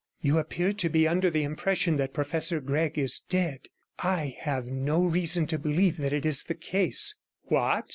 You appear to be under the impression that Professor Gregg is dead; I have no reason to believe that that is the case.' 'What?'